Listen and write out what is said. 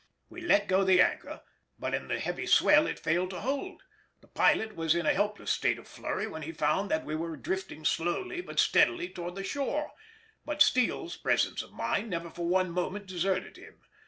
We let go the anchor, but in the heavy swell it failed to hold: the pilot was in a helpless state of flurry when he found that we were drifting slowly but steadily towards the shore, but Steele's presence of mind never for one moment deserted him.